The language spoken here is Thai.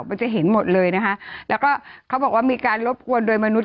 มันจะเห็นหมดเลยนะคะแล้วก็เขาบอกว่ามีการรบกวนโดยมนุษย